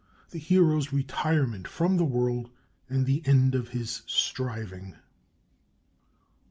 THE HERO'S RETIREMENT FROM THE WORLD, AND THE END OF HIS STRIVING I.